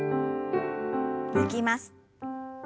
抜きます。